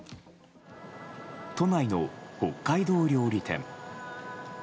都内の北海道料理店。